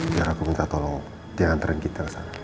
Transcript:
biar aku minta tolong diantarin kita kesana